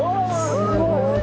すごい！